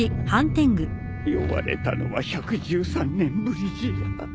呼ばれたのは１１３年ぶりじゃ。